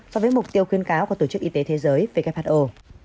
so với mục tiêu khuyến cáo của tổ chức y tế thế giới who